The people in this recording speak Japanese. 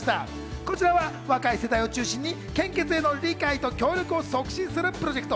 こちらは若い世代を中心に献血への理解と協力を促進するプロジェクト。